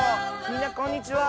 みんなこんにちは。